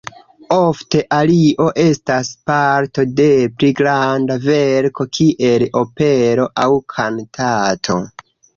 Ofte ario estas parto de pli granda verko kiel opero aŭ kantato.